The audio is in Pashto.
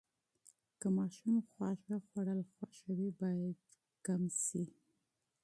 که ماشوم خواږه خوړل خوښوي، باید محدود شي.